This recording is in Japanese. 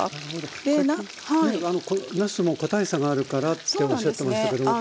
さっきなすも個体差があるからっておっしゃってましたけど。